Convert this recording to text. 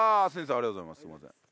ありがとうございます。